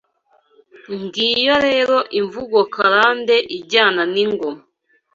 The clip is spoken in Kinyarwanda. Ngiyo rero imvugo karande ijyana n’ingoma